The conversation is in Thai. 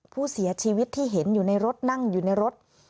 ผู้เสียชีวิตที่เห็นอยู่ในรถนั่งอยู่ในรถ